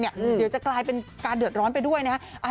เดี๋ยวจะกลายเป็นการเดือดร้อนไปด้วยนะครับ